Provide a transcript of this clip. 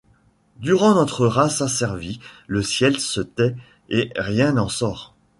Devant notre race asservie Le ciel se tait, et rien n’en sort.